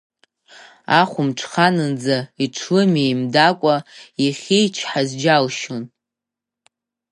Ахәымҽханынӡа иҽлымеимдакәа иахьичҳаз џьалшьон.